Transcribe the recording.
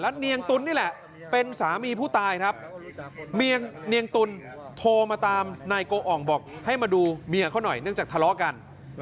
เนียงตุ๋นนี่แหละเป็นสามีผู้ตายครับเนียงตุลโทรมาตามนายโกอ่องบอกให้มาดูเมียเขาหน่อยเนื่องจากทะเลาะกัน